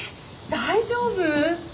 大丈夫？